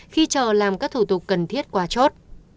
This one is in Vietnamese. khi chờ làm các thủ tục cần thiết qua chốt